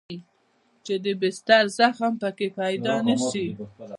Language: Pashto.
چې د بستر زخم پکښې پيدا نه سي.